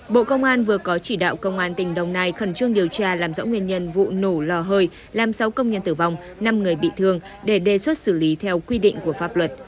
bộ công an vừa có chỉ đạo công an tỉnh đồng nai khẩn trương điều tra làm rõ nguyên nhân vụ nổ lò hơi làm sáu công nhân tử vong năm người bị thương để đề xuất xử lý theo quy định của pháp luật